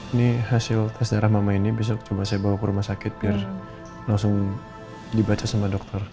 ini hasil tes darah mama ini besok coba saya bawa ke rumah sakit biar langsung dibaca sama dokter